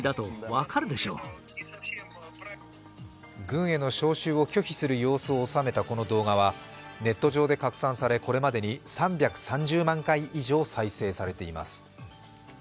軍への招集を拒否する様子を収めたこの動画はネット上で拡散され、これまでに３３０万回以上再生されています。